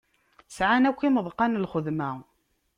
Sɛan akk imeḍqan n lxedma.